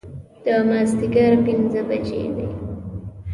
د مازدیګر پنځه بجې وې.